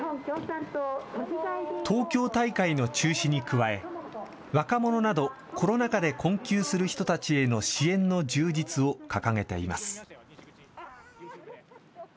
東京大会の中止に加え、若者などコロナ禍で困窮する人たちへの支援の充実を掲げています。